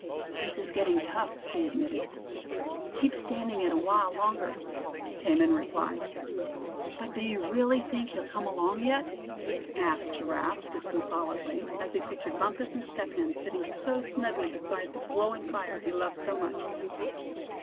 "This is gettin' tough," he admitted. "Keep standing it a while longer," came in reply. "But do you really think he'll come along yet?" asked Giraffe, disconsolately, as he pictured Bumpus and Step Hen sitting so snugly beside the glowing fire he loved so much.